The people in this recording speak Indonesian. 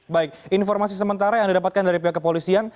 baik informasi sementara yang didapatkan dari pihak kepolisian